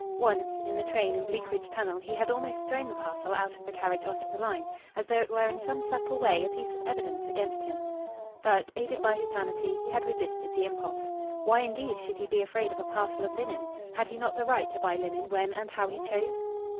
Once, in the train in Bleakridge tunnel, he had almost thrown the parcel out of the carriage on to the line, as though it were in some subtle way a piece of evidence against him; but, aided by his vanity, he had resisted the impulse. Why, indeed, should he be afraid of a parcel of linen? Had he not the right to buy linen when and how he chose?